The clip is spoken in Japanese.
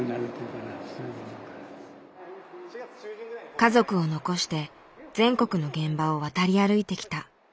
家族を残して全国の現場を渡り歩いてきた。